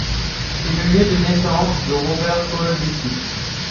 C'est le lieu de naissance de Robert-Pol Dupuy.